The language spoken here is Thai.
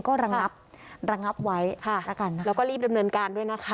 ก็ระงับระงับไว้ค่ะแล้วกันแล้วก็รีบดำเนินการด้วยนะคะ